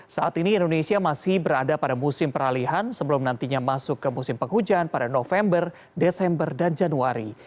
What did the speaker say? saat ini indonesia masih berada pada musim peralihan sebelum nantinya masuk ke musim penghujan pada november desember dan januari